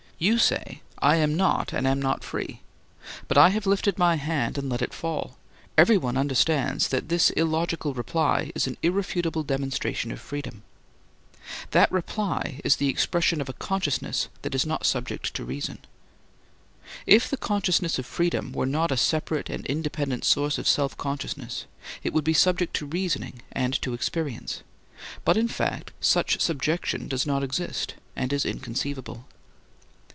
You say: I am not free. But I have lifted my hand and let it fall. Everyone understands that this illogical reply is an irrefutable demonstration of freedom. That reply is the expression of a consciousness that is not subject to reason. If the consciousness of freedom were not a separate and independent source of self consciousness it would be subject to reasoning and to experience, but in fact such subjection does not exist and is inconceivable.